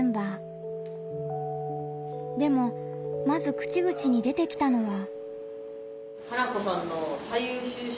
でもまず口々に出てきたのは。